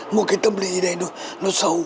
một cái tâm lý này nó xấu